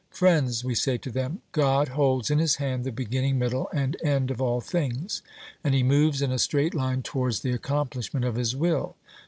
Friends, we say to them, God holds in His hand the beginning, middle, and end of all things, and He moves in a straight line towards the accomplishment of His will.